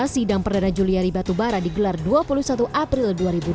sidang perdana juliari batubara digelar dua puluh satu april dua ribu dua puluh